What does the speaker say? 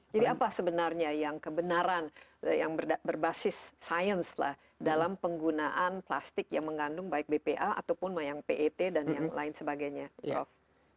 jadi apa sebenarnya yang kebenaran yang berbasis sains dalam penggunaan plastik yang mengandung baik bpa ataupun yang pet dan lain sebagainya prof